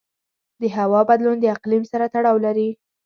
د هوا بدلون د اقلیم سره تړاو لري.